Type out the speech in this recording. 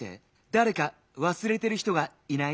だれかわすれてる人がいない？